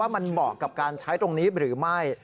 มันเหมาะกับการใช้ตรงนี้หรือไม่